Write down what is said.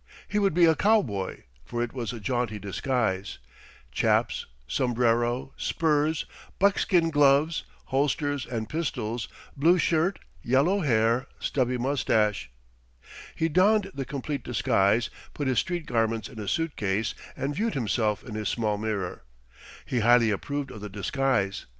He would be a cowboy, for it was a jaunty disguise "chaps," sombrero, spurs, buckskin gloves, holsters and pistols, blue shirt, yellow hair, stubby mustache. He donned the complete disguise, put his street garments in a suitcase and viewed himself in his small mirror. He highly approved of the disguise.